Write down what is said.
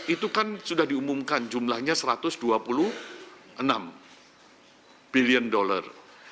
itu kan sudah diumumkan jumlahnya satu ratus dua puluh enam bilion dollar